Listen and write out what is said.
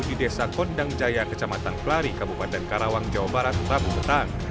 di desa kondang jaya kecamatan klari kabupaten karawang jawa barat rabu petang